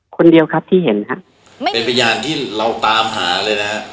คนเดียวครับที่เห็นฮะเป็นพยานที่เราตามหาเลยนะฮะ